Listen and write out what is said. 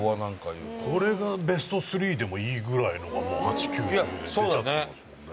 これがベスト３でもいいぐらいのがもう、８、９、１０で出ちゃってますもんね。